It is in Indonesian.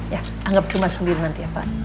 ya anggap cuma sendiri nanti ya pak